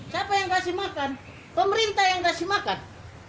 siapa yang kasih makan pemerintah yang kasih makan